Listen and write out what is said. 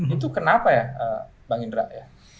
itu kenapa ya bang indra ya